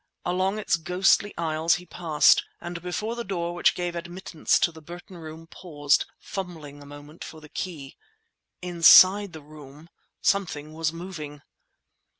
Along its ghostly aisles he passed, and before the door which gave admittance to the Burton Room paused, fumbling a moment for the key. Inside the room something was moving!